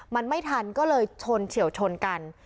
มันไม่ทันก็เลยชนเฉียวชนกัน